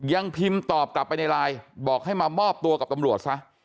ยังพิมพ์ตอบกลับไปในไลน์บอกให้มามอบตัวกับตำรวจซะ